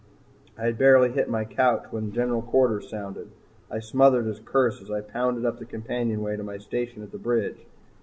I had barely hit my couch when General Quarters sounded. I smothered a curse as I pounded up the companionway to my station at the bridge.